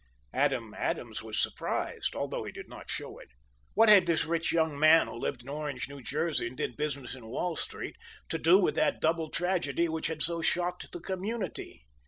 Adam Adams was surprised, although he did not show it. What had this rich young man, who lived in Orange, New Jersey, and did business in Wall Street, to do with that double tragedy which had so shocked the community?